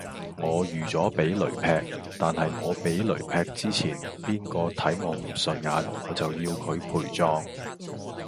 我預咗俾雷劈，但係我俾雷劈之前，邊個睇我唔順眼，我就要佢陪葬。